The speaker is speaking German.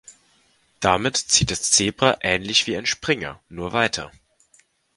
Damit zieht das Zebra ähnlich wie ein Springer, nur weiter.